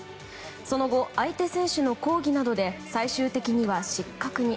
その後、相手選手の抗議などで最終的には失格に。